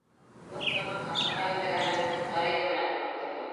Докторҙың ҡасырға өндәгәнен күҙ ҡырыйым менән күреп торҙом.